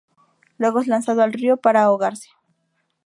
Luego es lanzado al río para ahogarse.